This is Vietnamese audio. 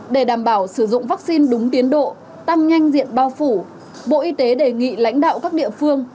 để đảm bảo sử dụng vaccine đúng tiến độ tăng nhanh diện bao phủ bộ y tế đề nghị lãnh đạo các địa phương